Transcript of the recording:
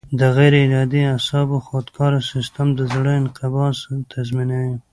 د غیر ارادي اعصابو خودکاره سیستم د زړه انقباض تنظیموي.